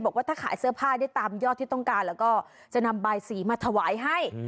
บอกว่าถ้าขายเสื้อผ้าได้ตามยอดที่ต้องการแล้วก็จะนำใบสีมาถวายให้